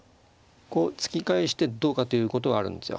こう突き返してどうかということはあるんですよ。